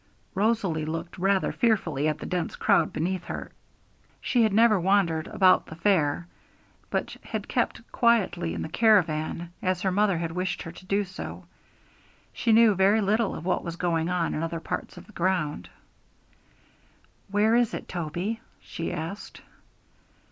Rosalie looked rather fearfully at the dense crowd beneath her; she had never wandered about the fair, but had kept quietly in the caravan, as her mother had wished her to do so; she knew very little of what was going on in other parts of the ground. 'Where is it, Toby?' she asked.